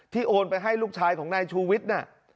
โอนไปให้ลูกชายของนายชูวิทย์น่ะ